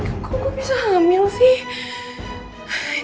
kan kok gue bisa hamil sih